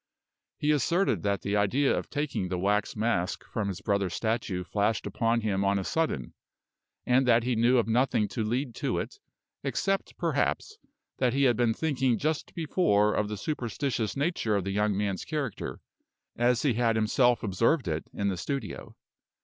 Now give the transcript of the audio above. He asserted that the idea of taking the wax mask from his brother's statue flashed upon him on a sudden, and that he knew of nothing to lead to it, except, perhaps, that he had been thinking just before of the superstitious nature of the young man's character, as he had himself observed it in the studio.